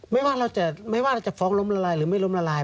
ไม่ว่าเราจะฟ้องล้มละลายหรือไม่ล้มละลาย